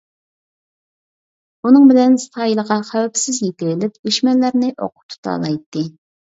ئۇنىڭ بىلەن ساھىلغا خەۋپسىز يېتىۋېلىپ دۈشمەنلەرنى ئوققا تۇتالايتتى.